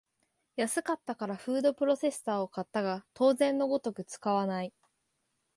安かったからフードプロセッサーを買ったが当然のごとく使わない